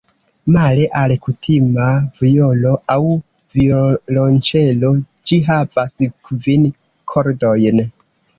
Male al kutima vjolo aŭ violonĉelo ĝi havas kvin kordojn.